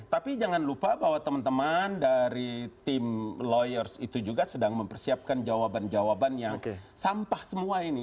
tapi jangan lupa bahwa teman teman dari tim lawyers itu juga sedang mempersiapkan jawaban jawaban yang sampah semua ini